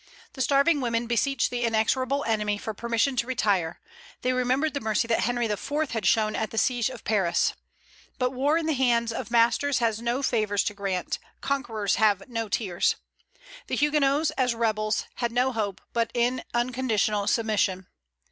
The starving women beseeched the inexorable enemy for permission to retire: they remembered the mercy that Henry IV. had shown at the siege of Paris. But war in the hands of masters has no favors to grant; conquerors have no tears. The Huguenots, as rebels, had no hope but in unconditional submission.